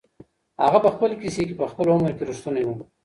هغه په خپل کیسې کي په خپل عمر کي رښتونی و.